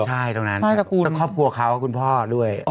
ใช่ตรงนั้นครอบครัวเขากับคุณพ่อด้วย